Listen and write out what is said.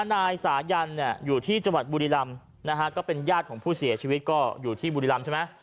นายสายันเนี่ยอยู่ที่จังหวัดบุรีรำนะฮะก็เป็นญาติของผู้เสียชีวิตก็อยู่ที่บุรีรำใช่ไหม